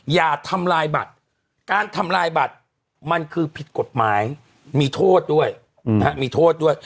อย่าทำลายบัตรการทำลายบัตรมันคือผิดกฎหมายมีโทษด้วยมีโทษด้วย